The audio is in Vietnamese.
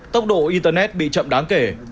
tốc độ internet bị chậm đáng kể